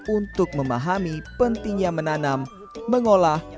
untuk memahami pentingnya menanam mengolah